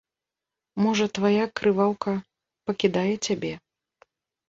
Можа твая крываўка пакідае цябе?